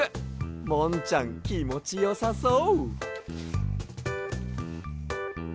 もんちゃんきもちよさそう。